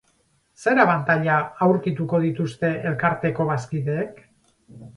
Zer abantaila aurkituko dituzte elkarteko bazkideek?